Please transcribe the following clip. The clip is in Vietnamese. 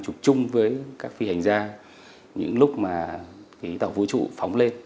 chụp chung với các phi hành gia những lúc mà cái tàu vũ trụ phóng lên